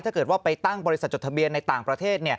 ถ้าเกิดว่าไปตั้งบริษัทจดทะเบียนในต่างประเทศ